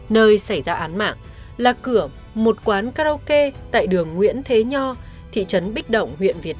nơi xảy ra án mạng là cửa một quán karaoke tại đường nguyễn thế nho thị trấn bích động